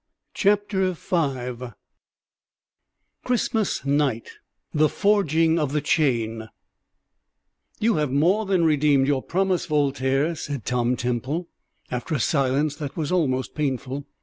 CHAPTER V CHRISTMAS NIGHT THE FORGING OF THE CHAIN "You have more than redeemed your promise, Voltaire," said Tom Temple, after a silence that was almost painful.